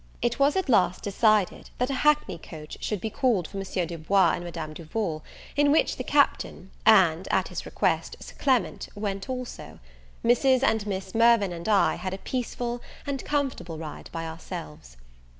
It was at last decided, that a hackney coach should be called for Monsieur Du Bois and Madame Duval, in which the Captain, and, at his request, Sir Clement, went also; Mrs. and Miss Mirvan and I had a peaceful and comfortable ride by ourselves.